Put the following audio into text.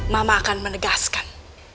mama akan menegaskan